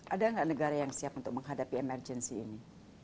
ada nggak negara yang siap untuk menghadapi emergency ini